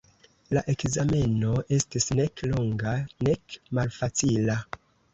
La ekzameno estis nek longa, nek malfacila.